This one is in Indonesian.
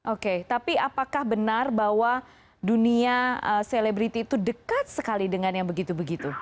oke tapi apakah benar bahwa dunia selebriti itu dekat sekali dengan yang begitu begitu